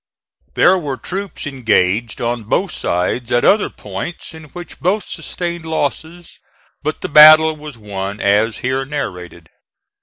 There were troops engaged on both sides at other points in which both sustained losses; but the battle was won as here narrated.